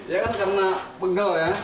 ya kan karena pegel ya